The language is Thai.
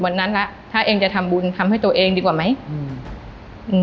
วันนั้นแล้วถ้าเองจะทำบุญทำให้ตัวเองดีกว่าไหมอืม